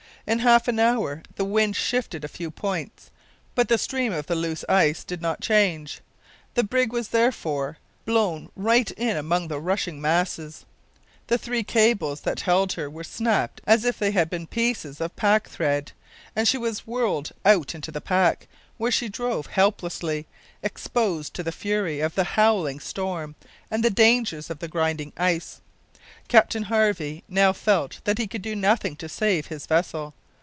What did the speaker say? In half an hour the wind shifted a few points, but the stream of the loose ice did not change. The brig was, therefore, blown right in among the rushing masses. The three cables that held her were snapped as if they had been pieces of packthread, and she was whirled out into the pack, where she drove helplessly, exposed to the fury of the howling storm and the dangers of the grinding ice. Captain Harvey now felt that he could do nothing to save his vessel.